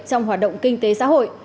trong hoạt động kinh tế xã hội